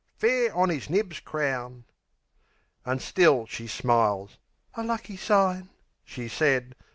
fair on 'is nibs's crown. An' still she smiles. "A lucky sign," she said.